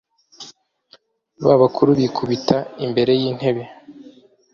ba bakuru bikubita imbere y intebe